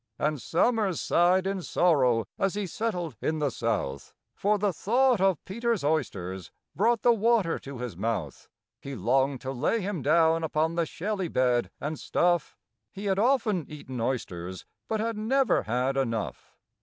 And SOMERS sighed in sorrow as he settled in the south, For the thought of PETER'S oysters brought the water to his mouth. He longed to lay him down upon the shelly bed, and stuff: He had often eaten oysters, but had never had enough.